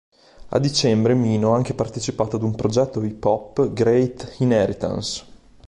A dicembre, Mino ha anche partecipato ad un progetto hip-hop "Great Inheritance".